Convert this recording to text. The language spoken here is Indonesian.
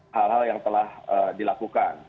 hal hal yang telah dilakukan